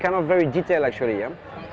dan ini sangat detail sebenarnya